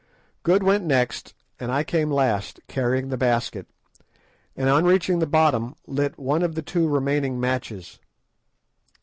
Good went next, and I came last, carrying the basket, and on reaching the bottom lit one of the two remaining matches.